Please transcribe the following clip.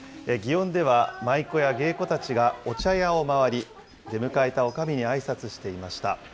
祇園では舞妓や芸妓たちがお茶屋を回り、出迎えたおかみにあいさつしていました。